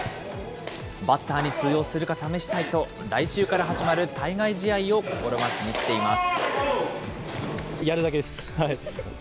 バッターに通用するか試したいと、来週から始まる対外試合を心待ちにしています。